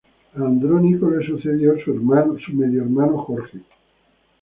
Andrónico fue sucedido por su medio hermano Jorge.